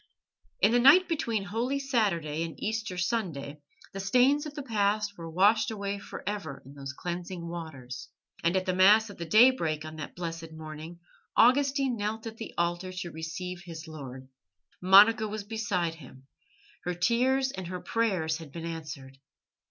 In the night between Holy Saturday and Easter Sunday the stains of the past were washed away for ever in those cleansing waters, and at the Mass of the daybreak on that blessed morning Augustine knelt at the altar to receive his Lord. Monica was beside him; her tears and her prayers had been answered.